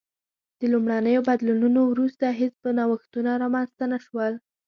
له لومړنیو بدلونونو وروسته هېڅ نوښتونه رامنځته نه شول